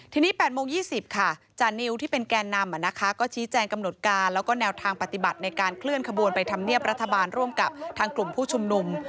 ทีนี้๘โมง๒๐ค่ะจานิวที่เป็นแกนนำก็ชี้แจงกำหนดการแล้วก็แนวทางปฏิบัติในการเคลื่อนขบวนไปทำเนียบรัฐบาลร่วมกับทางกลุ่มผู้ชุมนุม